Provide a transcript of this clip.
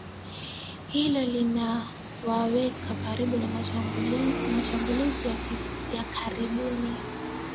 Hilo linawaweka karibu na mashambulizi ya karibuni